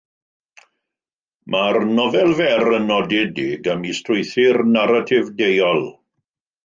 Mae'r nofel fer yn nodedig am ei strwythur naratif deuol.